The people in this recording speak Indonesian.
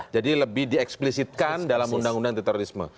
jadi lebih dieksplisifkan dalam undang undang anti terorisme